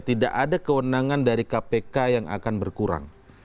tidak ada kewenangan dari kpk yang akan berkurang